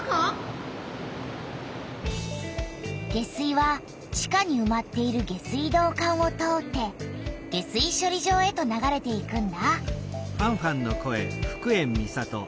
下水は地下にうまっている下水道管を通って下水しょり場へと流れていくんだ。